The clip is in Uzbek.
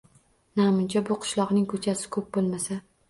Namuncha bu qishloqning ko‘chasi ko‘p bo‘lmasa?